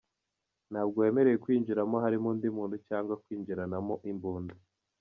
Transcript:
Ntabwo wemerewe kwinjiramo harimo undi muntu cyangwa kwinjiranamo imbunda.